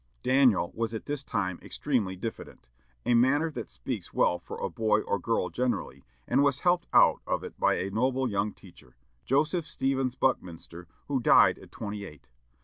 Daniel was at this time extremely diffident a manner that speaks well for a boy or girl generally and was helped out of it by a noble young teacher, Joseph Stevens Buckminster, who died at twenty eight.